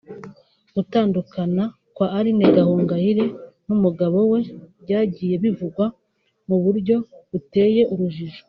Gutandukana kwa Aline Gahongayire n’umugabo we byagiye bivugwa mu buryo buteye urujijo